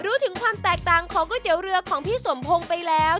รู้ถึงความแตกต่างของก๋วยเตี๋ยวเรือของพี่สมพงศ์ไปแล้ว